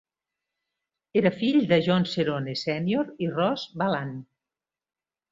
Era fill de John Cerone Senior i Rose Valant.